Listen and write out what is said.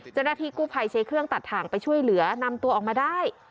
เจ้าหน้าที่กู้ภัยใช้เครื่องตัดถ่างไปช่วยเหลือนำตัวออกมาได้